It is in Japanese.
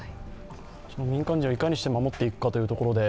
民間人をいかにして守っていくかというところで